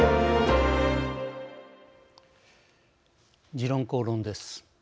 「時論公論」です。